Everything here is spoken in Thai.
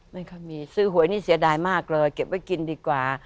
ไม่ค่อยมีซื้อหวยนี่เสียดายมากเลยเก็บไว้กินดีกว่า